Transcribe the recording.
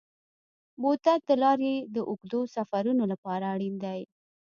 بوتل د لارې د اوږدو سفرونو لپاره اړین دی.